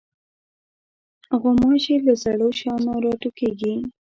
غوماشې له زړو شیانو راټوکېږي.